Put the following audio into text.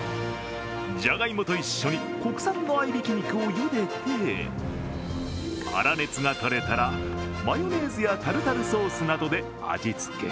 じゃがいもと一緒に国産のあいびき肉をゆでて粗熱がとれたら、マヨネーズやタルタルソースなどで味付け。